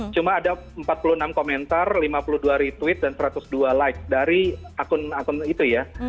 cuma ada empat puluh enam komentar lima puluh dua retweet dan satu ratus dua like dari akun akun itu ya